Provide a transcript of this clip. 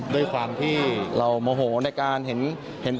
ด้วยความที่เราโมโหในการเห็น